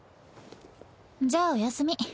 じゃあおやすみ。